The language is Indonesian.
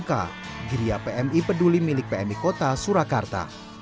gria pmi peduli milik pmi kota surakarta